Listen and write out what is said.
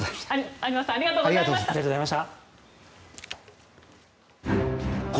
有馬さんありがとうございました。